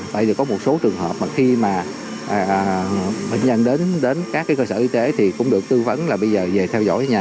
tại vì có một số trường hợp mà khi mà bệnh nhân đến các cơ sở y tế thì cũng được tư vấn là bây giờ về theo dõi nhà